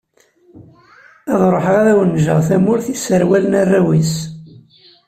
Ad ruḥeγ ad awen-ğğeγ tamurt i yesserwalen arraw_ines.